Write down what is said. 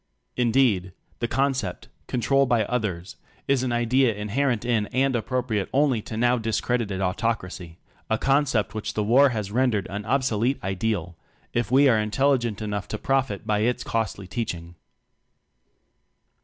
Indeed, the concept: control by "others," is an idea inherent in and appropriate only to now discredited Autocracy a concept which the War has rendered an obsolete ideal if we are yet intelligent enough to profit by its costly teaching.